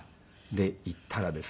で行ったらですね